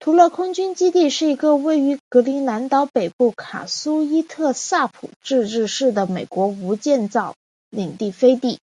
图勒空军基地是一个为于格陵兰岛北部卡苏伊特萨普自治市的美国无建制领地飞地。